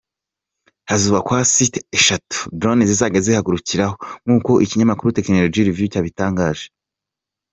Hazubakwa site eshatu drones zizajya zihagurukiraho nkuko ikinyamakuru Technology Review cyabitangaje.